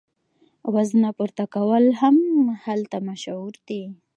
وزنه پورته کول هم هلته مشهور دي.